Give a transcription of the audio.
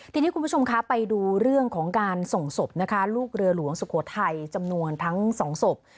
ทีนี้คุณผู้ชมคะไปดูเรื่องของการส่งศพนะคะลูกเรือหลวงสุโขทัยจำนวนทั้งสองศพ